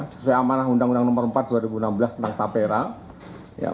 sesuai amanah undang undang nomor empat dua ribu enam belas tentang tapera